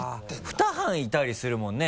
２班いたりするもんね。